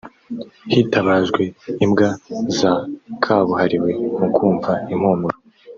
Hitabajwe imbwa za kabuhariwe mu kumva impumuro